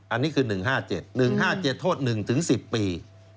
อันนี้คือ๑๕๗โทษ๑ถึง๑๐ปี